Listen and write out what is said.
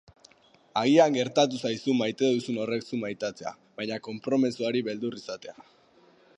Agian gertatu zaizu maite duzun horrek zu maitatzea, baina konpromezuari beldur izatea.